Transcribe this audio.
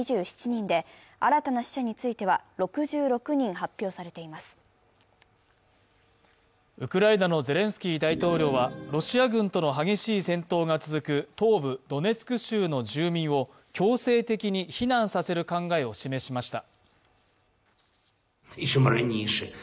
ＪＮＮのまとめによりますとウクライナのゼレンスキー大統領は、ロシア軍との激しい戦闘が続く東部ドネツク州の住民を強制的に避難させる考えを示しました。